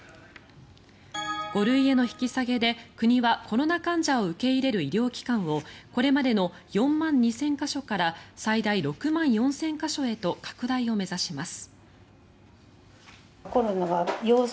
５類への引き下げで国はコロナ患者を受け入れる医療機関をこれまでの４万２０００か所から最大６万４０００か所へと拡大を目指します。